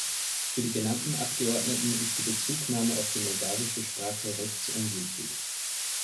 Für die genannten Abgeordneten ist die Bezugnahme auf die moldawische Sprache rechtsungültig.